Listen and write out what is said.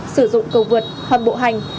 sử dụng cầu vượt hầm bộ hành